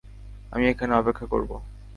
আমি এখানে অপেক্ষা করব।